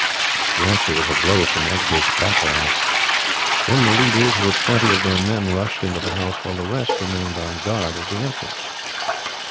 The answer was a blow from Egbert's battle axe. Then the leaders with twenty of their men rushed into the house, while the rest remained on guard at the entrance.